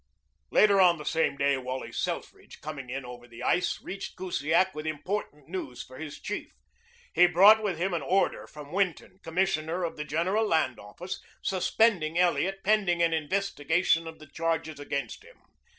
Later on the same day Wally Selfridge, coming in over the ice, reached Kusiak with important news for his chief. He brought with him an order from Winton, Commissioner of the General Land Office, suspending Elliot pending an investigation of the charges against him.